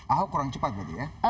ahok kurang cepat berarti ya